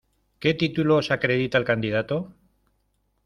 ¿Qué títulos acredita el candidato?